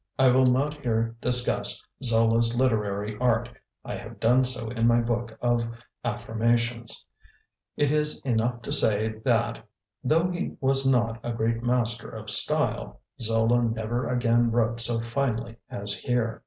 I will not here discuss Zola's literary art (I have done so in my book of Affirmations); it is enough to say that, though he was not a great master of style, Zola never again wrote so finely as here.